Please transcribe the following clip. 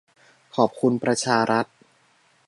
ขอบคุณประชารัฐ